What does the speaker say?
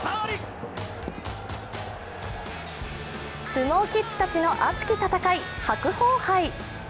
相撲キッズたちの熱き戦い白鵬杯。